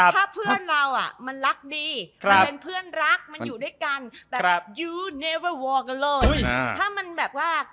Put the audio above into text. แสงนิดเดี๋ยวไม่ได้